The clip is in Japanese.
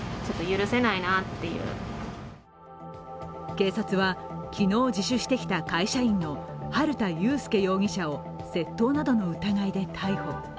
警察は昨日自首してきた会社員の春田悠輔容疑者を窃盗などの疑いで逮捕。